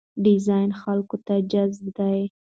ډیزاین خلکو ته جذاب دی.